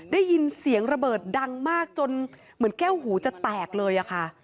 ได้ยินเสียงระเบิดดังมากจนเหมือนแก้วหูจะแตกเลยอะค่ะ